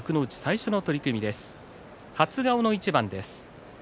初顔の一番です。